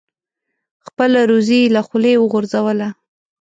خپله روزي یې له خولې وغورځوله.